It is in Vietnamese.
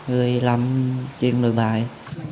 đó là phật ngon